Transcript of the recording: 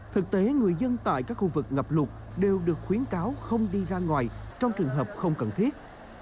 thực tế người dân tại các khu vực ngập lụt đều được khuyến cáo không đi ra ngoài trong trường hợp không cần thiết